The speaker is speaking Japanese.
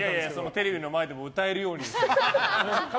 テレビの前でも歌えるように。